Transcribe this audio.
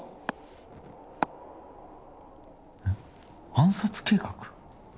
暗殺計画？